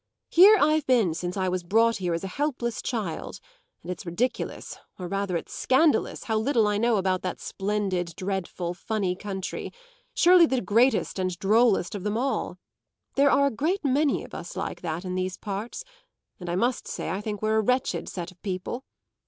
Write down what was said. Here I've been since I was brought here as a helpless child, and it's ridiculous, or rather it's scandalous, how little I know about that splendid, dreadful, funny country surely the greatest and drollest of them all. There are a great many of us like that in these parts, and I must say I think we're a wretched set of people.